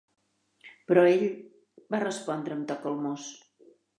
Però ell, va respondre amb to calmós